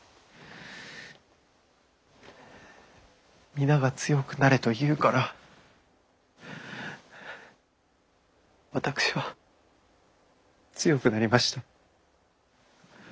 皆が強くなれと言うから私は強くなりました。